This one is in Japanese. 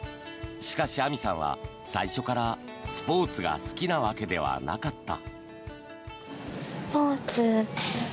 しかし、あみさんは最初からスポーツが好きなわけではなかった。